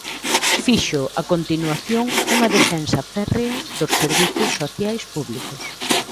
Fixo, a continuación, unha defensa férrea dos servizos sociais públicos.